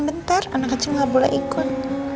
bentar anak kecil nggak boleh ikut